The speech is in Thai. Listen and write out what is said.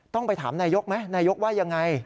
ต้องไปถามนายกไหมนายกว่ายังไง